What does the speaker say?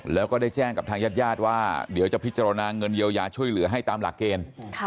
แล้วก็ได้แจ้งกับทางญาติญาติว่าเดี๋ยวจะพิจารณาเงินเยียวยาช่วยเหลือให้ตามหลักเกณฑ์